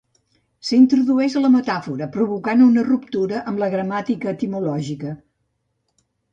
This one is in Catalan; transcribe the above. S'introdueix la metàfora, provocant una ruptura amb la gramàtica etimològica.